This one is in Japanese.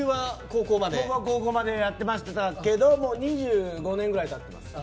高校までやっていましたけど２５年くらい経ってます。